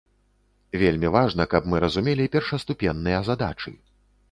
Вельмі важна, каб мы разумелі першаступенныя задачы.